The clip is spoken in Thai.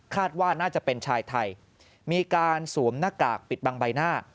ว่าน่าจะเป็นชายไทยมีการสวมหน้ากากปิดบังใบหน้า